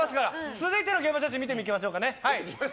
続いての現場写真見ていきましょうかね。